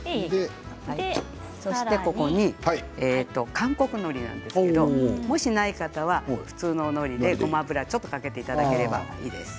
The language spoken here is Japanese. さらに韓国のりなんですけどもしない方は普通の、のりでごま油をちょっとかけていただければいいです。